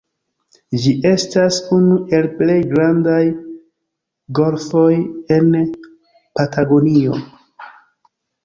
Ĝi estas "unu el plej grandaj golfoj en Patagonio".